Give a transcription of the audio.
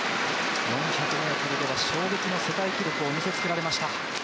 ４００ｍでは衝撃の世界記録を見せつけられました。